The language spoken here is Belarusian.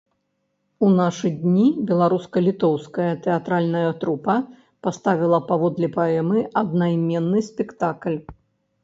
У нашы дні беларуска-літоўская тэатральная трупа паставіла паводле паэмы аднайменны спектакль.